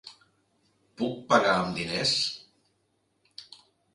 Puc pagar amb diners?